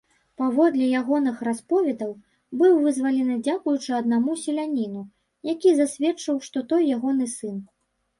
Паводле ягоных расповедаў, быў вызвалены дзякуючы аднаму селяніну, які засведчыў, што той ягоны сын.